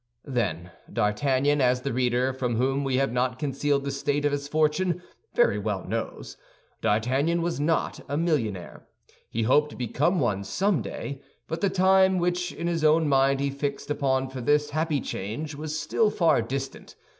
Then D'Artagnan, as the reader, from whom we have not concealed the state of his fortune, very well knows—D'Artagnan was not a millionaire; he hoped to become one someday, but the time which in his own mind he fixed upon for this happy change was still far distant.